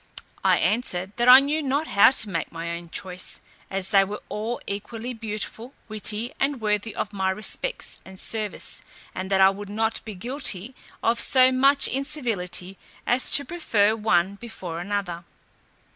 I answered, "That I knew not how to make my own choice, as they were all equally beautiful, witty, and worthy of my respects and service, and that I would not be guilty of so much incivility as to prefer one before another."